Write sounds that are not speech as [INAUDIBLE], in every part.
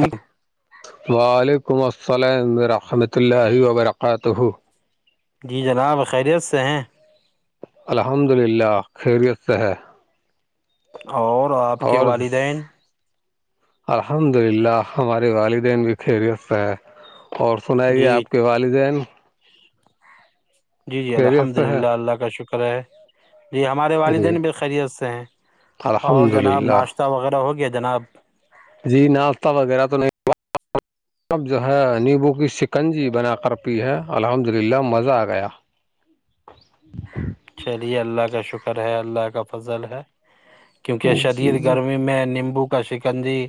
یک وعلیکم السلام رحمۃ اللہ وبرکاتہ جی جناب خیریت سے ہیں الحمد للہ خیریت سے ہے اور آپ کے اور والدین الحمد للہ ہمارے والدین بھی خیریت سے ہیں اور سنائیے جی آپ کے والدین جی جی خیریت الحمد سے ہے للہ اللہ کا شکر ہے جی ہمارے جی والدین بھی خیریت سے ہیں اور الحمد جناب للہ ناشتہ وغیرہ ہو گیا جناب جی ناشتہ وغیرہ تو نہیں اب جو ہے نیمبو کی شکنجی بنا کر پی ہے الحمد للہ مزہ آ گیا [INAUDIBLE] چلیے اللہ کا شکر ہے اللہ کا فضل ہے کیونکہ جی شدید جی گرمی میں نیمبو کا شکنجی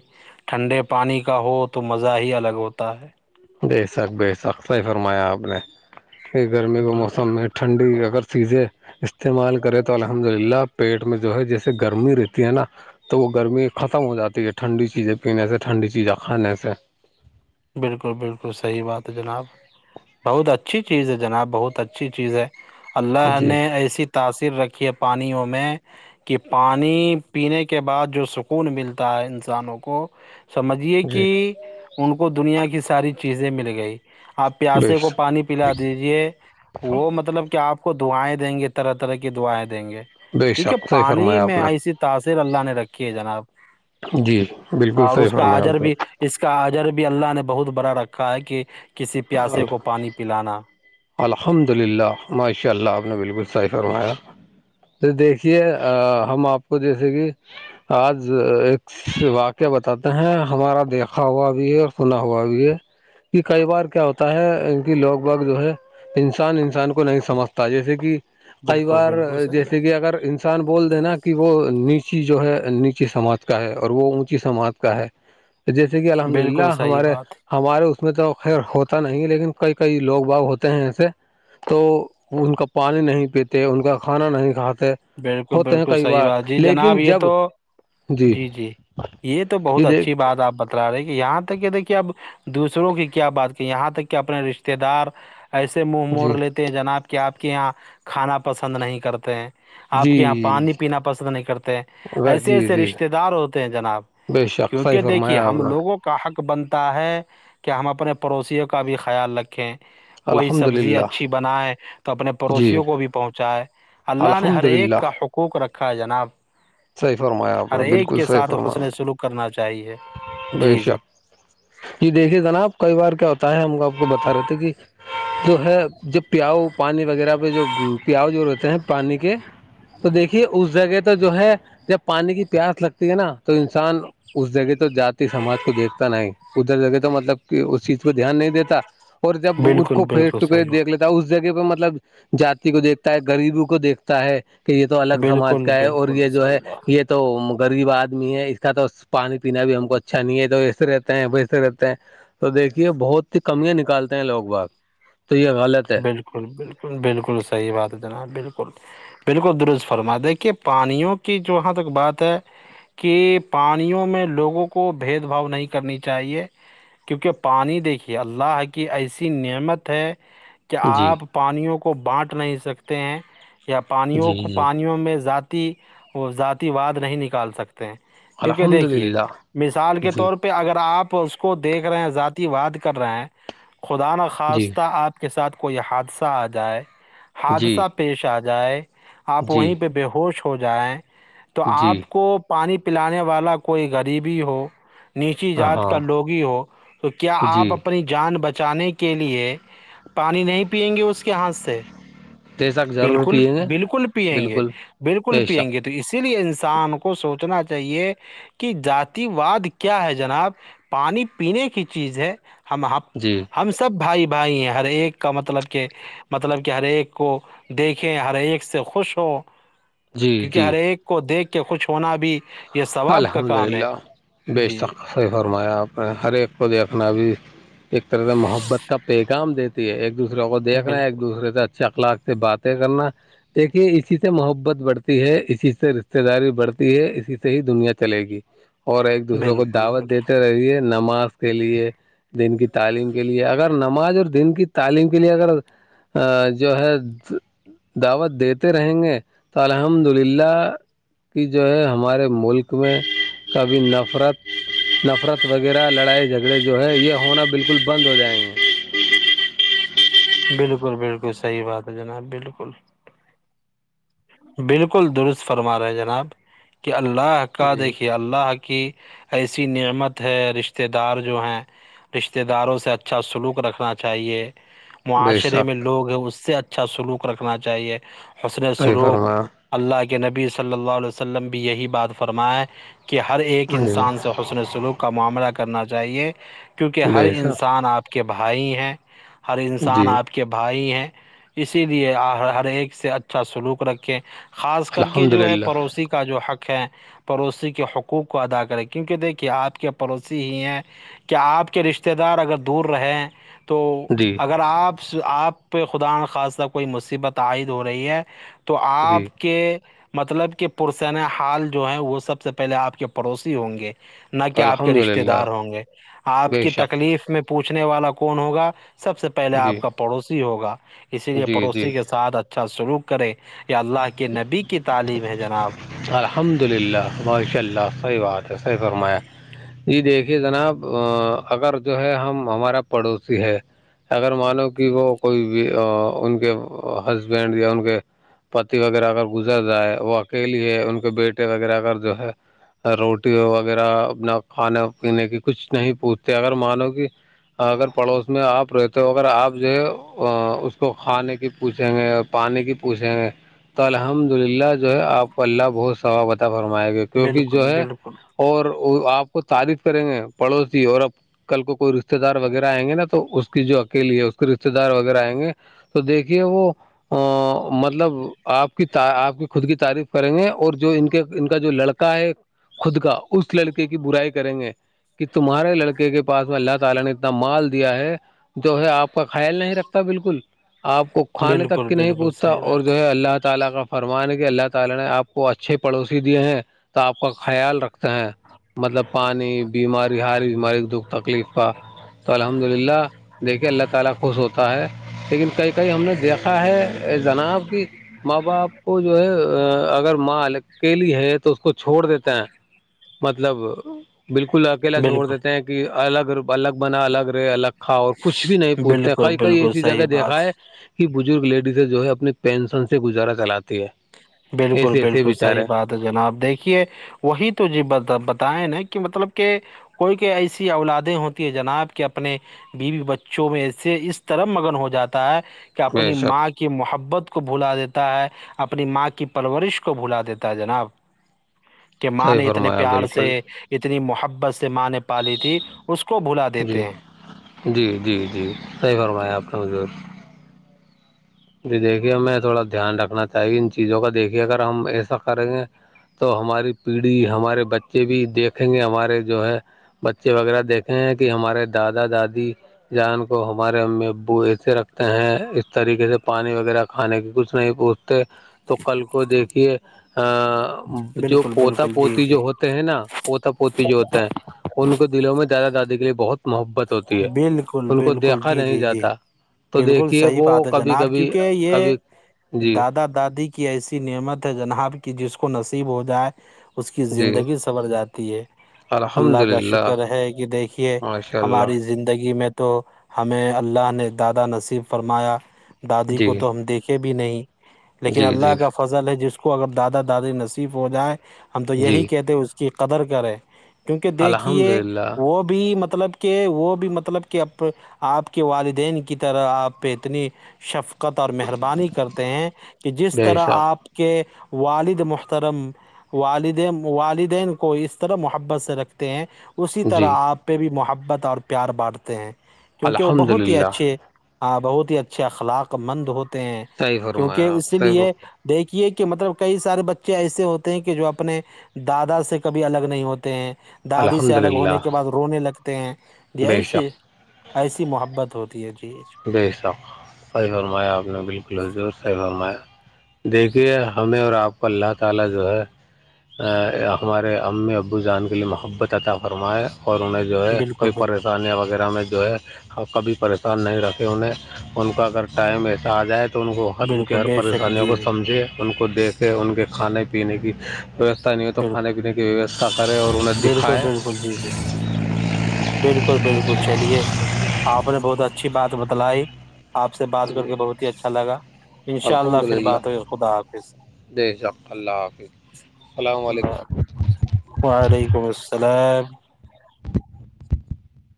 ٹھنڈے پانی کا ہو تو مزہ ہی الگ ہوتا ہے بے شک بے شک صحیح فرمایا آپ نے کہ گرمی کا موسم میں ٹھنڈی اگر سیزیں [UNINTELLIGIBLE] استعمال کرے تو الحمد للہ پیٹ میں جو ہے جیسے گرمی رہتی ہے نا تو وہ گرمی ختم ہو جاتی ہے ٹھنڈی چیزیں پینے سے ٹھنڈی چیزیں کھانے سے بالکل بالکل صحیح بات ہے جناب بہت اچھی چیز ہے جناب بہت اچھی چیز ہے اللہ جی نے ایسی تاثیر رکھی ہے پانیوں میں کہ پانی پینے کے بعد جو سکون ملتا ہے انسانوں کو سمجھیے جی کہ ان کو دنیا کی ساری چیزیں مل گئی آپ بے پیاسے کو پانی پلا دیجیے وہ مطلب کہ آپ اس کو دائیں دیں گے طرح طرح کی دائیں دیں گے بے کیونکہ شک صحیح پانی فرمایا آپ میں نے ایسی تاثر اللہ نے رکھی ہے جناب جی بالکل اور صحیح اس کا فرمایا اجر تھا بھی اس کا آجر بھی اللہ نے بہت بڑا رکھا ہے کہ کسی پیاسے کو پانی پلانا الحمد للہ ماشاء اللہ آپ نے بالکل صحیح فرمایا دیکھیے ہم آپ کو جیسے کہ آج ایک واقعہ بتاتے ہیں ہمارا دیکھا ہوا بھی ہے اور سنا ہوا بھی ہے کہ کئی بار کیا ہوتا ہے ان کی لوگ باگ جو ہے انسان انسان کو نہیں سمجھتا جیسے کہ کئی بالکل بار بالکل صحیح جیسے بات کہ اگر انسان بول دینا کہ وہ نیچی جو ہے نیچی سماعت کا ہے اور وہ اونچی سمات کا ہے جیسے کہ الحمد بالکل للہ صحیح ہمارے بات ہمارے اس میں تو خیر ہوتا نہیں لیکن کئی کئی لوگ باغ ہوتے ہیں ایے تو ان کا پانی نہیں پیتے ان کا کھانا نہیں کھاتے بالکل ہوتے ہیں بالکل کئی صحیح بار بات جی جناب لیکن یہ جب تو جی جی یہ تو بہت جی دیک اچھی بات آپ بتا رہے کہ یہاں تک کہ دیکھیے اب دوسروں کی کیا بات کہ یہاں تک کہ اپنے رشتے دار ایسے منہ جی مور لیتے ہیں جناب کہ آپ کے یہاں کھانا پسند نہیں کرتے ہیں آپ کے جی یہاں پانی پینا پسند نہیں کرتے بس ایسے جی ایسے جی رشتے دار ہوتے ہیں جناب بے شک صحیح کیونکہ دیکھیے فرمایا آپ ہم نے لوگوں کو کا حق بنتا ہے کہ ہم اپنے پڑوسیوں کا بھی خیال رکھیں کوئی الحمد سبزی للہ اچھی بنائے تو اپنے جی پڑوسیوں کو بھی پہنچائے اللہ نے ہر الحمد ایک للہ کا حقوق رکھا ہے جناب صحیح فرمایا آپ ہر نے ایک بالکل کے صحیح ساتھ حسن فرمایا سلوک کرنا چاہیے بے جی جی شک جی دیکھیے جناب کئی بار کیا ہوتا ہے ہم کو آپ کو بتا رہے تھے کہ جو ہے جب پیاؤ پانی وغیرہ پہ جو پیاؤ جو رہتے ہیں پانی کے تو دیکھیے اس جگہ تو جو ہے جب پانی کی پیاس لگتی ہے نا تو انسان اس جگہ تو جات سماج کو دیکھتا نہیں ادھر جگہ تو مطلب کہ اس چیز کو دھیان نہیں دیتا اور جب اس بالکل کو فیس بالکل صحیح ٹوفیس دیکھ بات لے تب اس جگہ پہ مطلب جاتی کو دیکتا ہے غریبی کو دیکھتا ہے کہ یہ تو الگ سماج بالکل کا ہے اور بالکل یہ جو صحیح ہے بات یہ تو غریب آدمی ہے اس کا تو پانی پینا بھی ہم کو اچھا نہیں ہے تو ایسے رہتے ہیں ویسے رہتے ہیں تو دیکھیے بہت ہی کمیاں نکالتے ہیں لوگ باگ تو یہ غلط ہے بالکل بالکل بالکل صحیح بات جناب بالکل بالکل درست فرما دیکھیے پانیوں کی جہاں تک بات ہے کہ پانیوں میں لوگوں کو بھید بھاؤ نہیں کرنی چاہیے کیونکہ پانی دیکھیے اللہ کی ایسی نعمت ہے کہ جی آپ پانیوں کو بانٹ نہیں سکتے ہیں یا جی پانیوں کو جی پانیوں میں ذات کی وہ ذاتی واد نہیں نکال سکتے کیونکہ الحمد دیکھیے للہ مثال کے جی طور پر پے اگر آپ اس کو دیکھ رہے ہیں ذاتی واد کر رہے ہیں خدا نا جی خاصتا آپ کے ساتھ کوئی حادثہ آ جائے جی حادثہ پیش آ جائے آپ جی وہیں پہ بے ہوش ہو جائیں تو جی آپ کو پانی پلانے والا کوئی غریبی ہو نیچی ہاں ذات کا ہاں لوگی ہو تو کیا جی آپ اپنی جان بچانے کے لیے پانی نہیں پئیں گے اس کے ہاتھ سے تیزک ضرور بالکل پیئیں گے بالکل پییں گے بالکل بالکل بے شک پییں گے تو اسی لیے انسان کو سوچنا چاہیے کہ جاتی واد کیا ہے جناب پانی پینے کی چیز ہے ہم ہم جی ہم سب بھائی بھائی ہیں ہر ایک کا مطلب کہ مطلب کہ ہر ایک کو دیکھیے ہر ایک سے خوش ہوں جی کیونکہ ہر جی ایک کو دیکھ کے خوش ہونا بھی یہ ثواب کا کام ہے الحمدللہ بے جی شک صحیح فرمایا آپ نے ہر ایک کو دیکھنا بھی ایک طرح سے محبت کا پیغام دیتے ایک دوسرے کو دیکھ رہے ہیں ایک بالکل دوسرے سے اچھے اخلاق سے باتیں کرنا دیکھیے اسی سے محبت بڑھتی ہے اسی سے رشتے داری بڑھتی ہے اسی سے ہی دنیا چلے گی اور ایک دوسرے کو بالکل دعوت بالکل دیتے رہیے نماز کے لیے دین کی تعلیم کے لیے اگر نماز اور دین کی تعلیم کے لیے اگر ا جو ہے دعوت دیتے رہیں گے تو الحمد للہ کی جو ہے ہمارے ملک میں کبھی نفرت نفرت وغیرہ لڑائی جھگڑے جو ہے یہ ہونا بالکل بند ہو جائیں گے بالکل بالکل صحیح بات ہے جناب بالکل بالکل درست فرما رہے ہیں جناب کہ اللہ کا جی دیکھیے اب اللہ کی ایسی نعمت ہے رشتے دار جو ہیں رشتہ داروں سے اچھا سلوک رکھنا چاہیے بے معاشرے میں شک لوگ ہیں اس سے اچھا سلوک رکھنا چاہیے حسلے صحیح سلوک فرمایا اللہ کے نبی صلی اللہ علیہ وسلم بھی یہی بات فرمائے کہ ہر ایک جی انسان سے اس نے سلوک کا معاملہ کرنا چاہیے کیونکہ ہر جی صاحب انسان آپ کے بھائی ہیں ہر انسان جی آپ کے بھائی ہیں اسی لیے ہر ایک سے اچھا سلوک رکھیں خاص کر کے الحمد جو ہے للہ پڑوسی کا جو حق ہے پڑوسی کے حقوق کو ادا کرے کیونکہ دیکھیے آپ کے پڑوسی ہی ہیں کہ آپ کے رشتے دار اگر دور رہیں تو جی اگر آپ آپ پہ خدا ناخاستہ کوئی مصیبت عائد ہو رہی ہے تو تو جی آپ کے مطلب کہ پرسینہ حال جو ہے وہ سب سے پہلے آپ کے پڑوسی ہوں گے نہ کہ آپ کے الحمد رشتے للہ دار ہوں گے آپ بے کی شک تکلیف میں پوچھنے والا کون ہوگا سب سے پہلے جی آپ کا پڑوسی ہوگا یہ اسی لیے جی جی پڑوسی کے ساتھ اچھا سلوک کرے یہ اللہ کے نبی کی تعلیم ہے جناب الحمد للہ ماشاء اللہ صحیح بات ہے صحیح فرمایا جی دیکھیے جناب اگر جو ہے ہم ہمارا پڑوسی ہے اگر مانو کہ وہ کوئی بھی ان کے ہسبنڈ یا ان کے پتی وغیرہ اگر گزر رہا ہے وہ اکیلی ہے ان کے بیٹے وغیرہ اگر جو ہے روٹی وغیرہ اپنا کھانے پینے کی کچھ نہیں پوچھتے اگر مانو کہ اگر پڑوس میں آپ رہتے ہو اگر آپ جو ہے اس کو کھانے کی پوچھیں گے پانی کی پوچھیں گے تو الحمد للہ جو ہے آپ اللہ بہت ثوااب آتا فرمائے گے کیونکہ بالکل جو ہے بالکل اور آپ کو تعریف کریں گے پڑوسی اور کل کو کوئی رشتے دار وغیرہ آئیںے نا تو اس کی جو اکیلی ہے اس کے رشتے دار وغیرہ آئیں گے تو دیکھیے وہ ا مطلب آپ کی آپ کی خود کی تعریف کریں گے اور جو ان کے ان کا جو لڑکا ہے خود کا اس لڑکے کی برائی کریں گے کہ تمہارے لڑکے کے پاس میں اللہ تلا نے اتنا مال دیا ہے جو ہے آپ کا خیال نہیں رکھتا بالکل آپ کو کھانے تک بالکل کی نہیں بالکل پوچھتا صحیح اور جو بات ہے اللہ تلا کا فرمان ہے کہ اللہ تلا نے آپ کو اچھے پڑوسی دیے ہیں تو آپ کا خیال رکھ ہیں مطلب پانی بیماری ہاری بیماری دکھ تکلیف کا تو ال الحمد للہ دیکھیے اللہ تلا خوش ہوتا ہے لیکن کئی کئی ہم نے دیکھا ہے جناب کی ماں باپ کو جو ہے اگر ماں اکیلی ہے تو اس کو چھوڑ دیتا ہے مطلب بالکل اکیلا چھوڑ بالکل دیتے ہیں کہ الگ الگ بنا الگ رہے الگ کہو اور کچھ بھی نہیں پوچھتے بالکل کئی کئی بالکل ایسی جگہ صحیح دیکھا بات ہے یہ بزرگ لیڈیز جو ہے اپنی پینشن سے گزارا چلاتی ہے بالکل ایسے ایسے بالکل صحیح بچارے بات جناب دیکھیے وہی تو جی بتائے نا کہ مطلب کہ کوئی کوئی ایسی اولادیں ہوتی ہیں جناب کے اپنے بیوی بچوں میں ای سے اس طرح مگن ہو جاتا ہے کہ بے اپنی شک ماں کی محبت کو بھلا دیتا ہے اپنی ماں کی پرورش کو بھلا دیتا ہے جناب کہ ماں صحیح نے اتنے فرمایا پیار سے بالکل اتنی محبت سے ماں نے پلی تھی اس کو بھلا دیتے جی ہیں جی جی جی صحیح [UNINTELLIGIBLE] جی دیکھیے ہمیں تھوڑا دھیان رکھنا چاہیے ان چیزوں کا دیکھیے اگر ہم ایسا کریں گے تو ہماری پیڑھی ہمارے بچے بھی دیکھیں گے ہمارے جو ہے بچے وغیرہ دیکھے ہیں کہ ہمارے دادا دادی جان کو ہمارے امی ابو ایسے رکھتے ہیں اس طریقے سے پانی وغیرہ کھانے کی کچھ نہیں پوچھتے تو کل کو دیکھیے جو بالکل پوتا بالکل جی پوتی جی جو ہوتا ہیں نا پوتا پوتی جو ہوتا ہیں ان کو دلوں میں دادا دادی کے لیے بہت محبت ہوتی ہے بالکل ان کو بالکل دیکھا جی نہیں جی جی جاتا تو بالکل دیکھیے صحیح وہ بات ہے کبھی جناب بھی کیونکہ یہ کبھی جی دادا دادی کی ایسی نعمت ہے جناب کی جس کو نصیب ہو جائے اس کی جی زندگی سور جاتی ہے الحمد اللہ کا للہ شکر ہے کہ دیکھیے ماشاء اللہ ہماری زندگی میں تو ہمیں اللہ نے دادا نصیب فرمایا دادی جی کو تو ہم دیکھے بھی نہیں لیکن جی اللہ جی کا فضل ہے جس کو اگر دادا دادی نصیف ہو جائے ہم تو یہی جی کہتے اس کی قدر کرے کیونکہ الحمد دیکھیے للہ وہ بھی بھی مطلب کہ وہ بھی مطلب کہ آپ کے والدین کی طرح آپ پہ اتنی شفق اور مہربانی کرتے ہیں کہ جس بے طرح شک آپ کے والد محترم والدین والدین کو اس طرح محبت سے رکھتے ہیں اسی طرح جی آپ پہ بھی محبت اور پیار بانٹتے ہیں کیونکہ وہ الحمد بہت ہی للہ اچھے ہاں بہت ہی اچھے اخلاق مند ہوتے ہیں صحیح کیونکہ فرمایا آپ اسی صحیح لیے فرما دیکھیے کہ مطلب کئی سارے بچے ایسے ہوتے ہیں کہ جو اپنے دادا سے کبھی الگ نہیں ہوتے ہیں دادی سے الحمد الگ للہ ہونے کے بعد رونے لگتے ہیں بے جیسے شک ایسی محبت ہوتی ہے جی بے شخ سی فرمایا آپ نے بالکل حضور ساہی فرمایا دیکھیے ہمیں اور آپ کو اللہ تعالی جو ہے ہمارے ا ابو زان کے لیے محبت عطا فرمایا اور انہیں جو ہے بالکل کوئی بالکل پریشانیاں وغیرہ میں جو ہے کبھی پریشان نہیں رکھ کہ انہیں ان کا اگر ٹائم ایسا آ جائے تو ان کو ہر ان کی بالکل ہر بے شک پریشانیوں جی کو جی سمجھے ان کو دیکھے ان کے کھانے پینے کی پت نہیں ہو تو کھانے بالکل پینے کی ویوستھا کرے اور انہیں دکھائے ج جی جی بالکل بالکل چلیے آپ نے بہت اچھی بات بتلائی آپ سے بات کر جی کے بہت ہی اچھا لگا ان شاء اللہ پھر بات ہوئی خدا حافظ دے جک اللہ حافظ السلام علیکم اللہ وعلیکم السلام [INAUDIBLE]